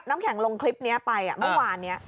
น้ำแข็งลงคลิปนี้ไปเมื่อวานนี้